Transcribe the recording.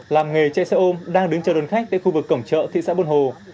làm nghề chạy xe ôm đang đứng chờ đón khách tại khu vực cổng chợ thị xã buôn hồ